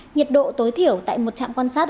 nhiệt độ tối thiểu tại một trạm quan sát